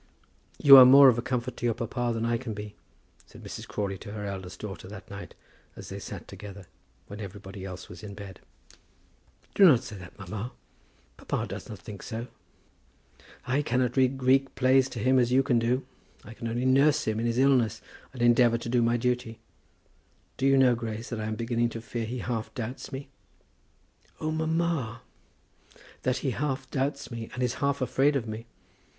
"You are more of a comfort to your papa than I can be," said Mrs. Crawley to her eldest daughter that night as they sat together, when everybody else was in bed. "Do not say that, mamma. Papa does not think so." "I cannot read Greek plays to him as you can do. I can only nurse him in his illness and endeavour to do my duty. Do you know, Grace, that I am beginning to fear that he half doubts me?" "Oh, mamma!" "That he half doubts me, and is half afraid of me.